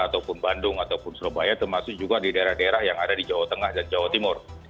ataupun bandung ataupun surabaya termasuk juga di daerah daerah yang ada di jawa tengah dan jawa timur